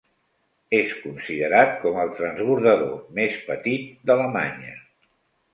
És considerat com el transbordador més petit d'Alemanya.